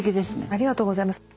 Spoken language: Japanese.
ありがとうございます。